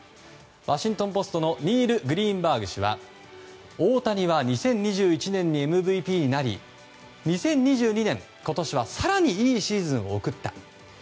ワシントン・ポストのニール・グリーンバーグ氏は大谷は２０２１年にＭＶＰになり２０２２年、今年は更にいいシーズンを送った。